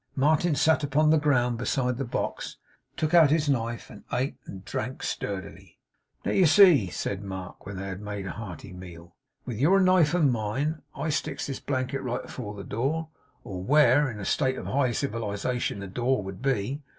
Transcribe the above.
Martin sat upon the ground beside the box; took out his knife; and ate and drank sturdily. 'Now you see,' said Mark, when they had made a hearty meal; 'with your knife and mine, I sticks this blanket right afore the door. Or where, in a state of high civilization, the door would be.